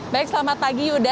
baik selamat pagi yuda